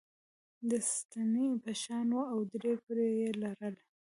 د ستنې په شان وه او درې پرې یي لرلې.